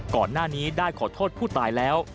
ก่อนหน้านี้ได้ขอโทษผู้ตายแล้ว